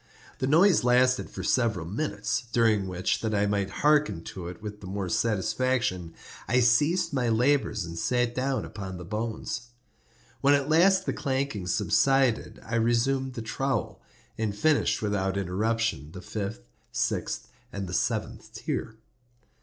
The noise lasted for several minutes, during which, that I might hearken to it with the more satisfaction, I ceased my labors and sat down upon the bones. When at last the clanking subsided, I resumed the trowel, and finished without interruption the fifth, the sixth, and the seventh tier.